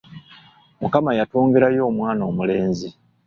Mukama yatwongerayo omwana omulenzi.